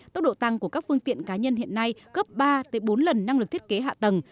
tốc độ tăng của các phương tiện cá nhân hiện nay gấp ba bốn lần năng lực thiết kế hạ tầng